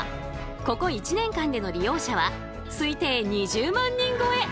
ここ１年間での利用者は推定２０万人超え。